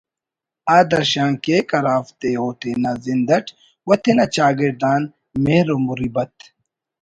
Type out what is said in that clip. آ درشان کیک ہرافتے او تینا زند اٹ و تینا چاگڑد آن مہر و مریبت